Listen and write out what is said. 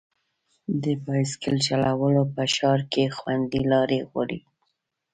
د بایسکل چلول په ښار کې خوندي لارې غواړي.